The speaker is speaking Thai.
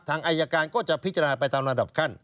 อายการก็จะพิจารณาไปตามระดับขั้น